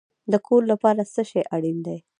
د کور لپاره څه شی اړین دی؟